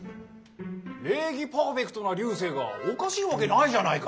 礼儀パーフェクトな流星がおかしいわけないじゃないか。